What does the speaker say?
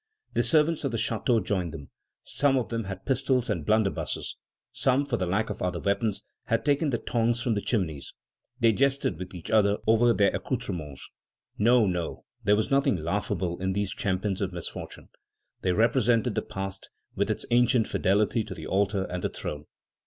The servants of the chateau joined them. Some of them had pistols and blunderbusses. Some, for lack of other weapons, had taken the tongs from the chimneys. They jested with each other over their accoutrements. No, no; there was nothing laughable in these champions of misfortune. They represented the past, with its ancient fidelity to the altar and the throne.